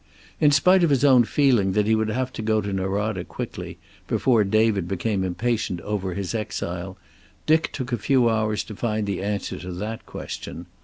In spite of his own feeling that he would have to go to Norada quickly, before David became impatient over his exile, Dick took a few hours to find the answer to that question.